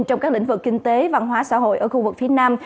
trong các lĩnh vực kinh tế văn hóa xã hội ở khu vực phía nam